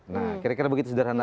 nah kira kira begitu sederhana